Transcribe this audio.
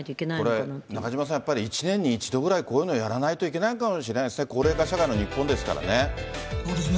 これ、中島さん、やっぱり１年に１度ぐらい、やらないといけないかもしれないですね、高齢化社会の日本ですかそうですね。